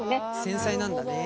繊細なんだね。